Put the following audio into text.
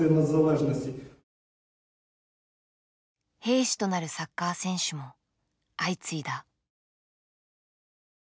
兵士となるサッカー選手も相次いだ。